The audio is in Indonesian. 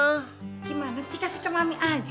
oh gimana sih kasih ke mami aja